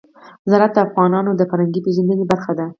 زراعت د افغانانو د فرهنګي پیژندنې برخه ده.